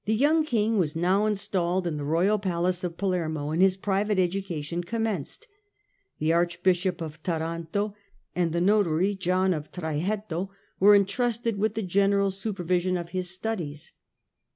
The young King was now installed in the royal palace of Palermo and his private education commenced. The Archbishop of Taranto and the notary John of Trajetto were entrusted with the general supervision of his studies.